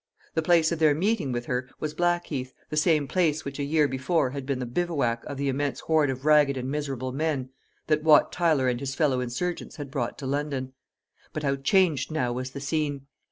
The place of their meeting with her was Blackheath, the same place which a year before had been the bivouac of the immense horde of ragged and miserable men that Wat Tyler and his fellow insurgents had brought to London. But how changed now was the scene!